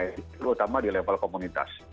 terutama di level komunitas